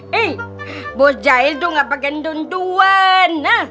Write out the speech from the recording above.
hei bos jail tuh gak pake nonduan